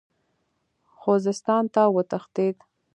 خوزستان ته وتښتېد.